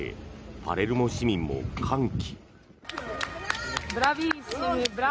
パレルモ市民も歓喜。